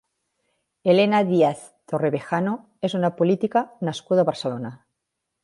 Elena Díaz Torrevejano és una política nascuda a Barcelona.